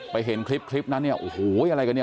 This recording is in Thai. เห็นคลิปคลิปนั้นเนี่ยโอ้โหอะไรกันเนี่ย